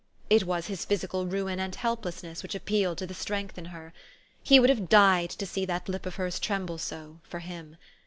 It was his physical ruin and helplessness which appealed to the strength in her. He would have died to see that lip of hers tremble so for him.